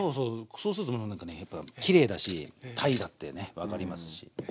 そうするとなんかねきれいだし鯛だってね分かりますし。